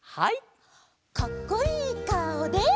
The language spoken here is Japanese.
「かっこいい顔で」